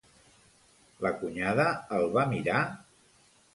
La cunyada el va mirar?